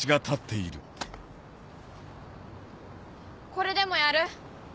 これでもやる？